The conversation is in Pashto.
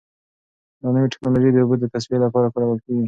دا نوې ټیکنالوژي د اوبو د تصفیې لپاره کارول کیږي.